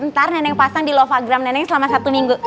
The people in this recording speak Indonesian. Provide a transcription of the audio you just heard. ntar nenek pasang di lovagram nenek selama satu minggu